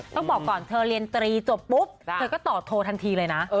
ต้องบอกก่อนเธอเรียนตรีจบปุ๊บเธอก็ตอบโทรทันทีเลยนะ